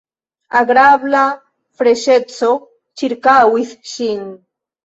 Agrabla freŝeco ĉirkaŭis ŝin.